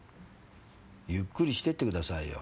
ゆっくりしてってくださいよ。